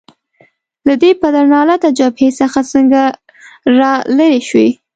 له دې پدرلعنته جبهې څخه څنګه رالیري شوې؟